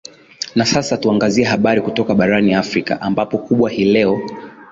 na sasa tuangazie habari kutoka barani afrika ambayo kubwa hii leo